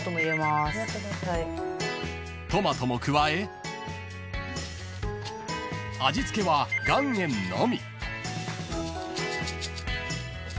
［トマトも加え味付けは岩塩のみ］